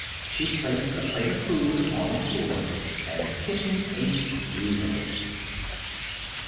She placed a plate of food upon the floor and the kitten ate greedily.